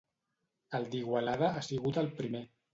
El d'Igualada ha sigut el primer.